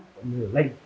có nhiều ngành